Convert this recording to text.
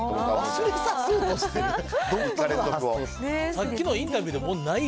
さっきのインタビューでもない